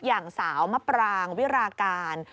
อย่างสาวมะปรางวิราการ